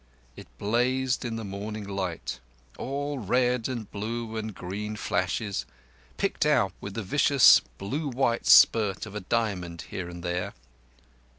It blazed in the morning light—all red and blue and green flashes, picked out with the vicious blue white spurt of a diamond here and there.